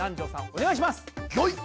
お願いします！